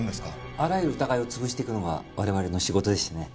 あらゆる疑いを潰していくのが我々の仕事でしてね。